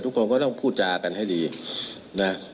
ทุกคนก็ต้องพูดจากันให้ดีนะ